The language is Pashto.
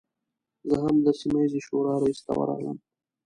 زه هم د سیمه ییزې شورا رئیس ته ورغلم.